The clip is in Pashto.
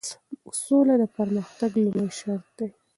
سوله د پرمختګ لومړی شرط دی.